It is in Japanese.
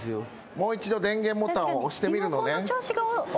もう一度電源ボタンを押してみるのねん。